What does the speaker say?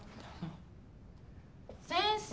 先生